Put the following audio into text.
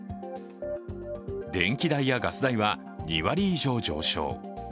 電気代やガス代は２割以上上昇。